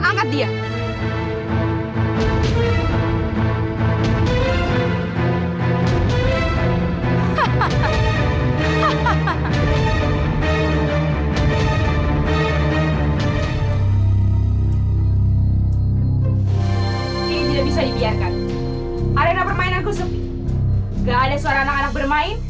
nggak ada suara anak anak bermain